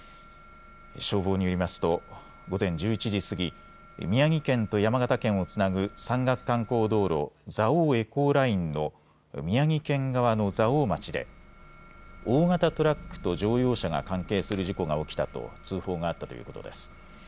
消防によりますと午前１１時過ぎ宮城県と山形県をつなぐ山岳観光道路、蔵王エコーラインの宮城県側の蔵王町で大型トラックと乗用車が関係する事故が起きたと通報があったということです。